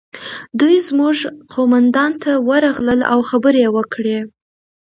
دوی زموږ قومندان ته ورغلل او خبرې یې وکړې